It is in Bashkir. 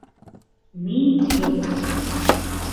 Мин юҡ.